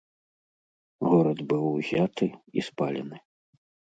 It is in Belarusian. Горад быў узяты і спалены.